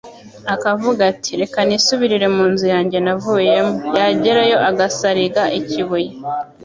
akavuga ati: Reka nisubirire mu nzu yanjye navuyemo, yagerayo agasariga ikubuye,